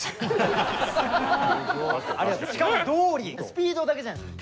しかもドーリースピードだけじゃないです。